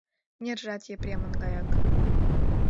«Нержат Епремын гаяк».